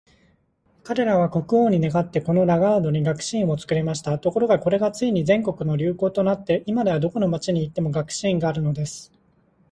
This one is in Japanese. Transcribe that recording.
彼等は国王に願って、このラガードに学士院を作りました。ところが、これがついに全国の流行となって、今では、どこの町に行っても学士院があるのです。